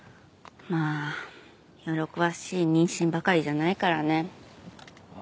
まあ喜ばしい妊娠ばかりじゃないからね。